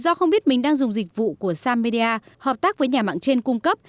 do không biết mình đang dùng dịch vụ của samedia hợp tác với nhà mạng trên cung cấp